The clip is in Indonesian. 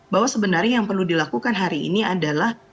bahwa sebenarnya yang perlu dilakukan hari ini adalah